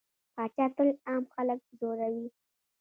پاچا تل عام خلک ځوروي.